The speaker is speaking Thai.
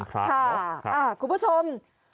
ค่ะคุณผู้ชม